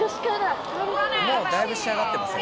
もうだいぶ仕上がってますね